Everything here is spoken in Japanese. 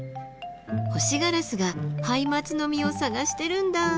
ホシガラスがハイマツの実を探してるんだあ。